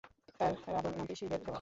তার রাবণ নামটি শিবের দেওয়া।